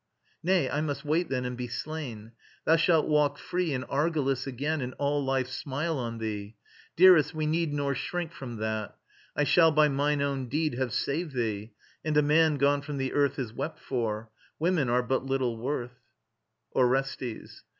Nay, I must wait then and be slain: Thou shalt walk free in Argolis again, And all life smile on thee ... Dearest, we need Nor shrink from that. I shall by mine own deed Have saved thee. And a man gone from the earth Is wept for. Women are but little worth. ORESTES.